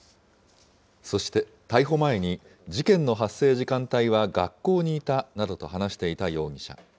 そして、逮捕前に、事件の発生時間帯は学校にいたなどと話していた容疑者。